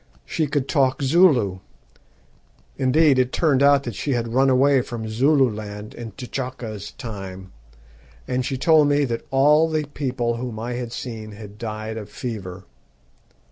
She could talk Zulu indeed, it turned out that she had run away from Zululand in T'Chaka's time and she told me that all the people whom I had seen had died of fever.